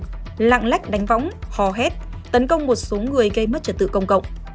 các đối tượng lặng lách đánh võng hò hét tấn công một số người gây mất trật tự công cộng